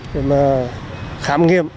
để mà khám nghiệm